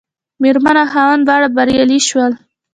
مېرمن او خاوند دواړه بریالي شول.